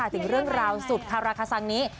ถึงเรื่องราวสุดคาราคาซังนี้